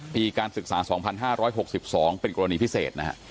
ปีการศึกษาสองพันห้าร้อยหกสิบสองเป็นกรณีพิเศษนะฮะ